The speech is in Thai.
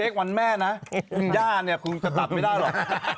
นี้เค้ควันแม่นะหญ้าเนี่ยคุณจะตัดไม่ได้หรอก